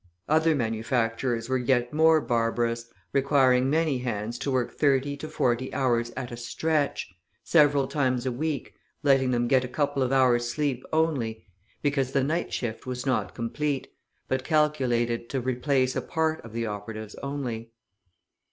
Other manufacturers were yet more barbarous, requiring many hands to work thirty to forty hours at a stretch, several times a week, letting them get a couple of hours sleep only, because the night shift was not complete, but calculated to replace a part of the operatives only.